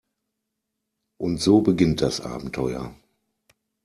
Und so beginnt das Abenteuer.